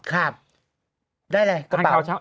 ได้อะไรกระเป๋า